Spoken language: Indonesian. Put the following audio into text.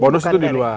bonus itu di luar